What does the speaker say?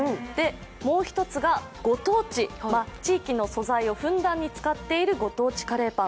もう一つが、ご当地、地域の素材をふんだんに使っているご当地カレーパン。